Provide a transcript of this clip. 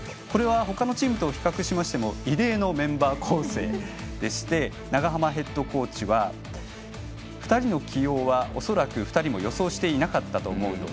これはほかのチームと比較しても異例のメンバー構成でして長浜ヘッドコーチは２人の起用は恐らく２人も予想していなかったと思う。